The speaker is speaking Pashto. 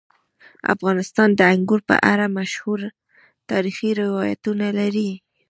افغانستان د انګور په اړه مشهور تاریخی روایتونه لري.